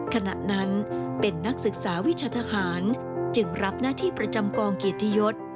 ขณะนั้นเป็นนักศึกษาวิชาทหารจึงรับหน้าที่ประจำกองเกียรติยศ